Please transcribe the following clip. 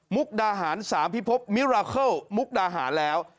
ดาหาร๓พิพบมิราเคิลมุกดาหารแล้ว